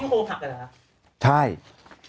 ต้องคือที่โหงผักไอ้ละ